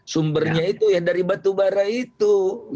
sumbernya itu ya dari batubara itu